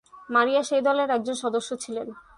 মারিয়া সেই দলের একজন সদস্য ছিলেন।